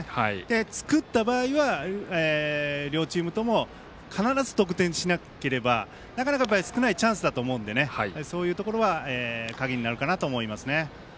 作った場合は両チームとも必ず得点しなければなかなか少ないチャンスだと思うのでそういうところは鍵になるかなと思いますね。